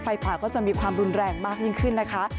ผ่าก็จะมีความรุนแรงมากยิ่งขึ้นนะคะ